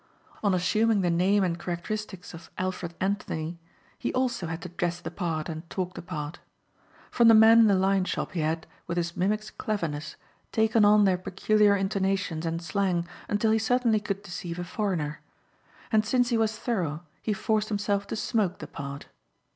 On assuming the name and characteristics of Alfred Anthony he also had to dress the part and talk the part. From the men in the Lion shop he had, with his mimic's cleverness, taken on their peculiar intonations and slang until he certainly could deceive a foreigner. And since he was thorough he forced himself to smoke the part.